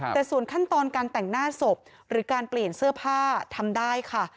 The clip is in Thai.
แต่ส่วนขั้นตอนการแต่งหน้าศพหรือการเปลี่ยนเสื้อผ้าทำได้ค่ะ